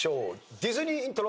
ディズニーイントロ。